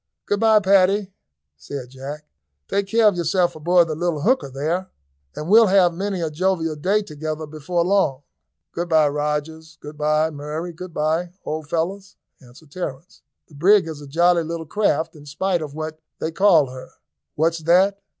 "Good bye, Paddy," said Jack; "take care of yourself aboard the little hooker there, and we'll have many a jovial day together before long." "Good bye, Rogers; good bye, Murray; good bye, old fellows," answered Terence. "The brig is a jolly little craft, in spite of what they call her." "What's that?"